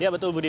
ya betul budi